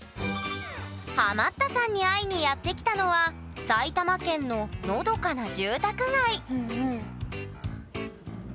ハマったさんに会いにやって来たのは埼玉県ののどかな住宅街